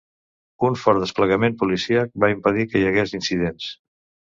Un fort desplegament policíac va impedir que hi hagués incidents.